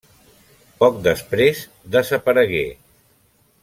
Poc després desaparegué.